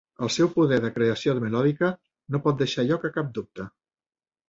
El seu poder de creació melòdica no pot deixar lloc a cap dubte.